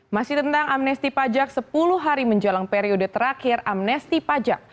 masih tentang amnesti pajak sepuluh hari menjelang periode terakhir amnesti pajak